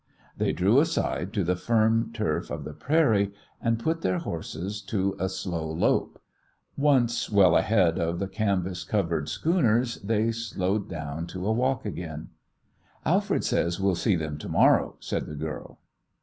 They drew aside to the firm turf of the prairie and put their horses to a slow lope. Once well ahead of the canvas covered schooners they slowed down to a walk again. "Alfred says we'll see them to morrow," said the girl.